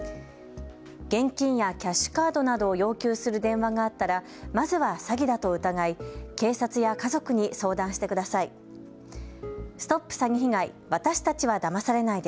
現金やキャッシュカードなどを要求する電話があったらまずは詐欺だと疑い警察や家族に相談してください。